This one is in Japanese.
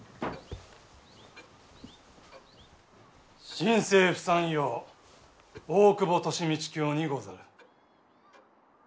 新政府参与大久保利通にござる。